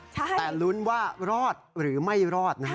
แต่ลุ้นว่ารอดหรือไม่รอดนะฮะ